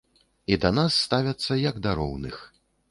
І да нас ставяцца як да роўных.